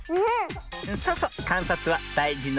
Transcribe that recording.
そうそうかんさつはだいじのミズよ。